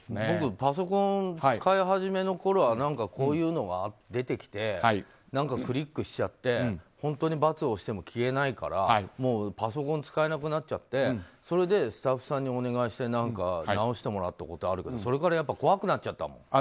僕、パソコンを使い始めのころはこういうのが出てきてクリックしちゃって本当に×を押しても消えないからパソコン使えなくなっちゃってそれでスタッフさんにお願いして直してもらったことあるけどそれから怖くなっちゃったもん。